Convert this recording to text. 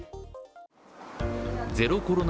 ゼロコロナ